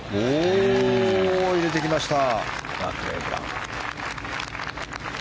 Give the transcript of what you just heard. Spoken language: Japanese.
入れてきました。